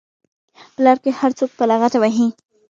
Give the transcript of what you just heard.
په لار کې هر څوک په لغته وهي.